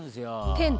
「テント。